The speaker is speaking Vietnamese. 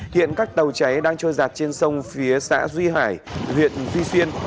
hiện các tàu cháy đang trôi giặt trên sông phía xã duy hải huyện duy xuyên